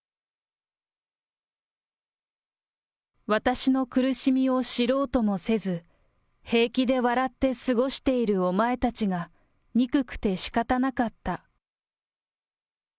私の苦しみを知ろうともせず、平気で笑って過ごしているお前たちが、憎くてしかたなかった。